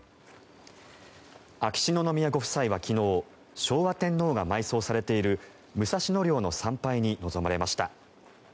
秋篠宮ご夫妻は昨日昭和天皇が埋葬されている武蔵野陵の参拝に臨まれました。